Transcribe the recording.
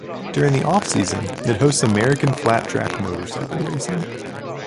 During the off-season it hosts American Flat Track motorcycle racing.